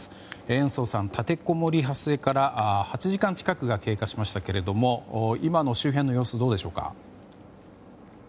延増さん、立てこもり発生から８時間近くが経過しましたけれど今の周辺の様子どうでしょうか。